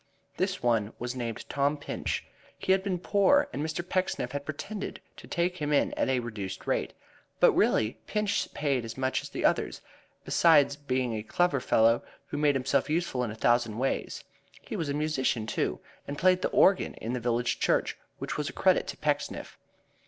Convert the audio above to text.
This one was named Tom Pinch. He had been poor and Mr. Pecksniff had pretended to take him in at a reduced rate. But really Pinch paid as much as the others, beside being a clever fellow who made himself useful in a thousand ways. He was a musician, too, and played the organ in the village church, which was a credit to Pecksniff.